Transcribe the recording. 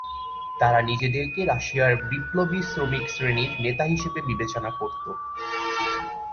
তারা নিজেদেরকে রাশিয়ার বিপ্লবী শ্রমিক শ্রেণীর নেতা হিসেবে বিবেচনা করতো।